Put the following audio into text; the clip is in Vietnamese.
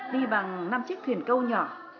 đi bằng năm chiếc thuyền câu nhỏ